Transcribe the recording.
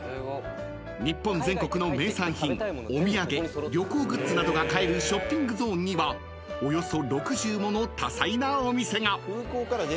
［日本全国の名産品お土産旅行グッズなどが買えるショッピングゾーンにはおよそ６０もの多彩なお店が］